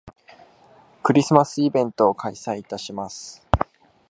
クリスマスイベントを開催いたします